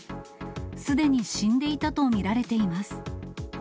すでに死んでいたと見られています。